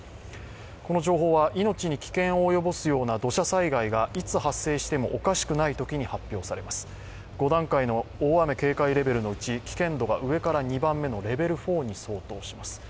この情報は命に危険を及ぼすような土砂災害が起きたときに発表され５段階の大雨警戒レベルのうち危険度が上から２番目のレベル４に相当します。